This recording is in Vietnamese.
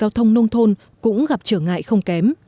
giao thông nông thôn cũng gặp trở ngại không kém